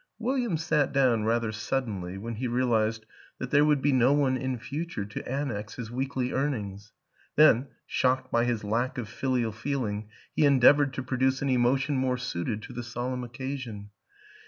William sat down rather suddenly when he realized that there would be no one in future to annex his weekly earnings; then, shocked by his lack of filial feeling, he endeavored to produce an emotion more suited to the solemn occasion.